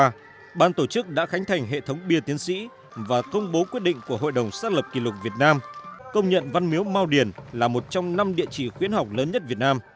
năm hai nghìn ba bàn tổ chức đã khánh thành hệ thống bia tiến sĩ và thông bố quyết định của hội đồng xác lập kỷ lục việt nam công nhận văn miếu mao điền là một trong năm địa chỉ khuyến học lớn nhất việt nam